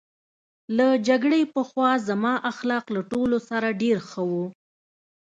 له جګړې پخوا زما اخلاق له ټولو سره ډېر ښه وو